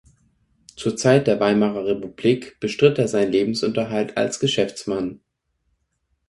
Zur Zeit der Weimarer Republik bestritt er seinen Lebensunterhalt als Geschäftsmann.